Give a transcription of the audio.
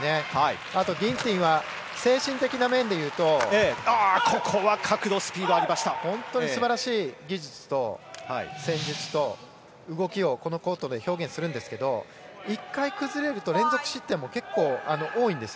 あとギンティンは精神的な面でいうと素晴らしい技術と戦術と動きを、このコートで表現するんですけど１回崩れると連続失点も結構、多いんです。